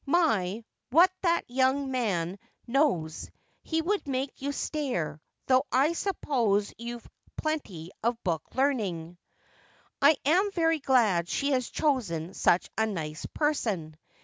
My, what that young man knows ! He would make you stare— though I suppose you've plenty of book learning.' ' I am very glad she has chosen such a nice person.'